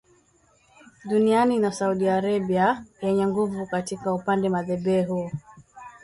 duniani na Saudi Arabia yenye nguvu katika upande madhehebu